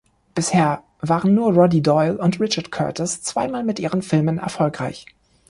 Bisher waren nur Roddy Doyle und Richard Curtis zweimal mit ihren Filmen erfolgreich.